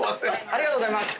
ありがとうございます。